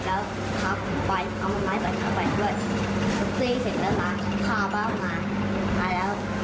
โกหกกับผมว่าดี